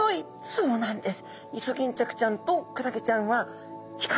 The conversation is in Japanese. そうなんです。